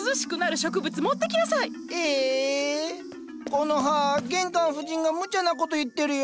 コノハ玄関夫人がむちゃなこと言ってるよ。